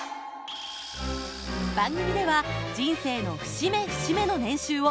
番組では人生の節目節目の年収を随時発表。